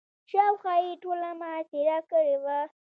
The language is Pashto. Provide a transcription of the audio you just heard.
شاوخوا یې ټوله محاصره کړې وه.